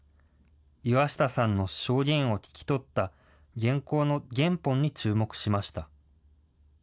岩下さんの証言を聞き取った原稿の原本に注目しました。